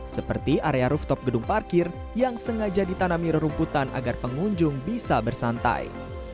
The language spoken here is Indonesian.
seperti area rooftop gedung parkir yang sengaja ditanami rumputan agar pengunjung bisa bersantai